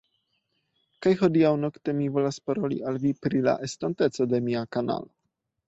Kaj hodiaŭ-nokte mi volas paroli al vi pri la estonteco de mia kanalo